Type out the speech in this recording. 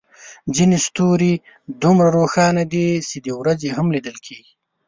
ځینې ستوري دومره روښانه دي چې د ورځې هم لیدل کېږي.